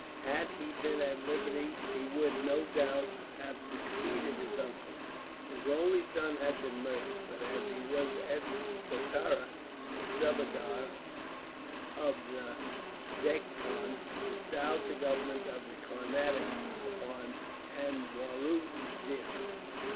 Had he been at liberty he would, no doubt, have succeeded his uncle, whose only son had been murdered; but as he was at Satarah, the Subadar of the Deccan bestowed the government of the Carnatic upon Anwarud din.